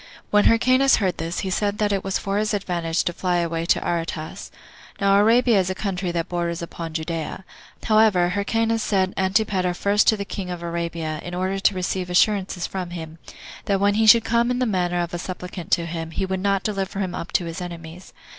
When Hyrcanus heard this, he said that it was for his advantage to fly away to Aretas. Now Arabia is a country that borders upon Judea. However, Hyrcanus sent Antipater first to the king of Arabia, in order to receive assurances from him, that when he should come in the manner of a supplicant to him, he would not deliver him up to his enemies.